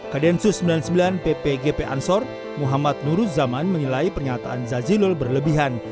kadensus sembilan puluh sembilan pp gp ansor muhammad nuruz zaman menilai pernyataan jazilul berlebihan